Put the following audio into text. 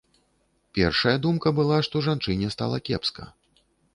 Першая думка была, што жанчыне стала кепска.